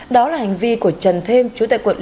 đó là hành vi của trần thêm chú tại quận liên hợp